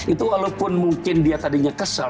itu walaupun mungkin dia tadinya kesel